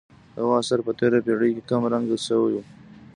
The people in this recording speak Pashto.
د هغو اثر په تېره پېړۍ کې کم رنګه شوی.